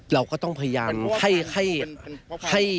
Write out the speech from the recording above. เราก็ต้องพยายามให้